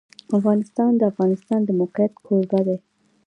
افغانستان د د افغانستان د موقعیت کوربه دی.